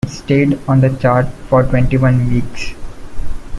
It stayed on the chart for twenty-one weeks.